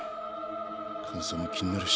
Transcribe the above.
乾燥も気になるし。